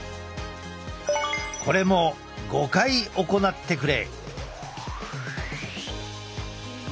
これも５回行ってくれ。